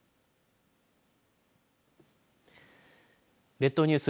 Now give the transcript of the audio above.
列島ニュース